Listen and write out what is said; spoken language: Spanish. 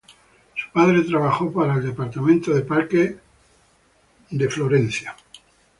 Su padre trabajó para el Departamento de Parques de Nueva York.